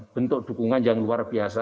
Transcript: bentuk dukungan yang luar biasa